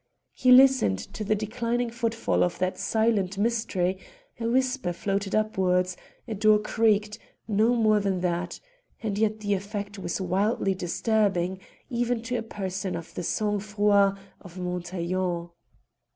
He listened to the declining footfall of that silent mystery; a whisper floated upwards, a door creaked, no more than that, and yet the effect was wildly disturbing, even to a person of the sang froid of Montaiglon.